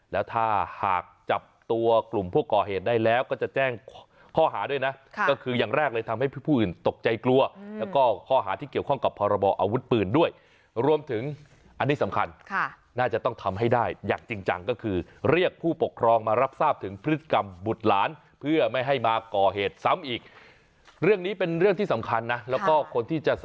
แล้วถ้าหากจับตัวกลุ่มผู้ก่อเหตุได้แล้วก็จะแจ้งข้อหาด้วยนะก็คืออย่างแรกเลยทำให้ผู้อื่นตกใจกลัวแล้วก็ข้อหาที่เกี่ยวข้องกับพรบออาวุธปืนด้วยรวมถึงอันนี้สำคัญน่าจะต้องทำให้ได้อย่างจริงจังก็คือเรียกผู้ปกครองมารับทราบถึงพฤติกรรมบุตรหลานเพื่อไม่ให้มาก่อเหตุซ้ำอีกเรื่องนี้เป็นเรื่องที่สำคัญนะแล้วก็คนที่จะส